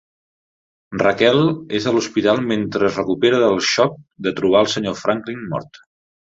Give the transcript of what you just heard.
Raquel és a l'hospital mentre es recupera del xoc de trobar el senyor Franklin mort.